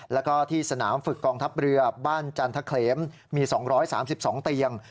แล้วก็ที่สนามฝึกกองทัพเรือบ้านจันทะเขลมมี๒๓๒เตียง